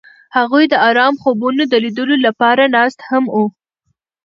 هغوی د آرام خوبونو د لیدلو لپاره ناست هم وو.